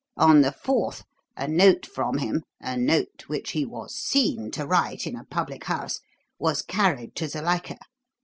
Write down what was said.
On the fourth, a note from him a note which he was seen to write in a public house was carried to Zuilika.